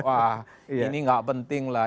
wah ini nggak penting lah